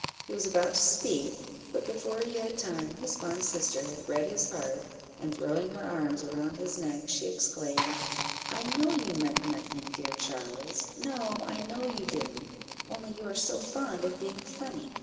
He was about to speak, but before he had time, his fond sister had read his heart, and throwing her arms around his neck, she exclaimed "I know you meant nothing, dear Charles; no, I know you didn't; only you are so fond of being funny."